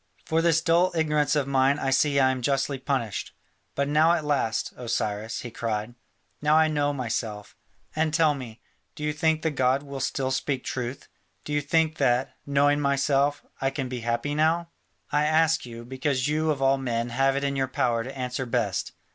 For this dull ignorance of mine I see I am justly punished. But now at last, O Cyrus," he cried, "now I know myself. And tell me, do you think the god will still speak truth? Do you think that, knowing myself, I can be happy now? I ask you, because you of all men have it in your power to answer best.